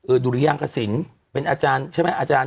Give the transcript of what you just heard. ดุริยางกสินเป็นอาจารย์ใช่ไหมอาจารย์